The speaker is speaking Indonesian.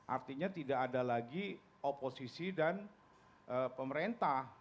artinya tidak ada lagi oposisi dan pemerintah